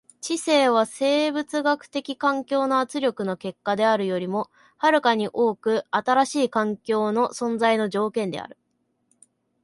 知性は生物学的環境の圧力の結果であるよりも遥かに多く新しい環境の存在の条件である。